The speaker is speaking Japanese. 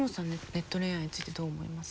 ネット恋愛についてどう思います？